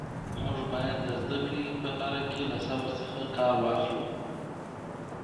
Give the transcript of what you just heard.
موږ باید د زده کړې په لاره کې له صبر څخه کار واخلو.